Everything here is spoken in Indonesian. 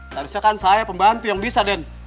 seharusnya kan saya pembantu yang bisa den